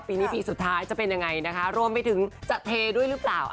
ปีนี้ปีสุดท้ายจะเป็นยังไงนะคะรวมไปถึงจะเทด้วยหรือเปล่า